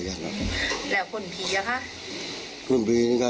แล้วขนพีค่ะ